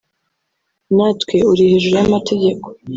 natwe uri hejuru y’amategeko